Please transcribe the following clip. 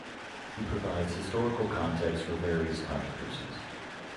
He provides historical context for various controversies.